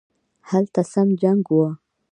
هلته سم جنګ وو